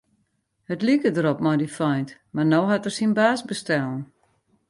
It like derop mei dy feint, mar no hat er syn baas bestellen.